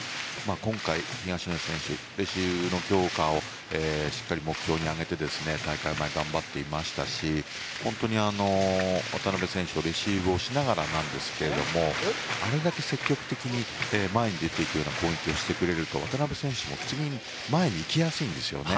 今回、東野選手レシーブの強化をしっかり目標に挙げて大会前、頑張っていましたし本当に、渡辺選手もレシーブをしながらですがあれだけ積極的に前に出ていく攻撃をしてくれると渡辺選手も前に行きやすいんですよね。